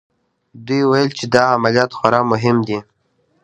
دوی ویل چې دا عملیات خورا مهم دی